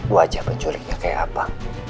wajah penculiknya kayak apa